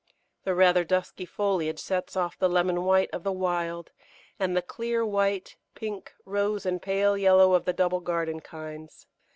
The rather dusky foliage sets off the lemon white of the wild, and the clear white, pink, rose, and pale yellow of the double garden kinds.